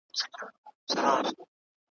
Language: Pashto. تا کاسه خپله وهلې ده په لته ,